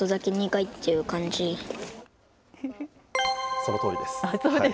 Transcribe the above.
そのとおりです。